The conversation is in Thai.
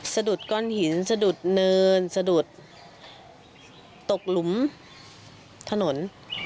สะดุดก้อนหินสะดุดเนินสะดุดตกหลุมถนน